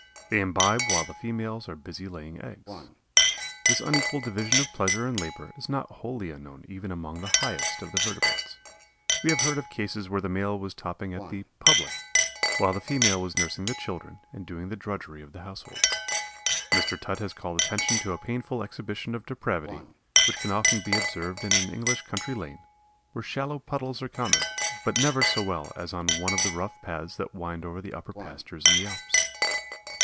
They imbibe while the females are busy laying eggs. This unequal division of pleasure and labor is not wholly unknown even among the highest of the vertebrates; we have heard of cases where the male was toping at the "public" while the female was nursing the children and doing the drudgery of the household. Mr. Tutt has called attention to a painful exhibition of depravity which can often be observed in an English country lane, where shallow puddles are common, but never so well as on one of the rough paths that wind over the upper pastures in the Alps.